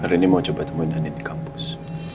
hari ini mau coba temuin andi di kampus